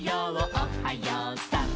おはようさん」